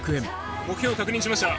目標を確認しました。